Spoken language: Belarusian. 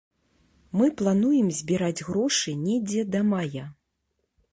Мы плануем збіраць грошы недзе да мая.